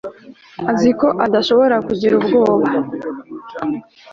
azi ko adashobora kugira ubwoba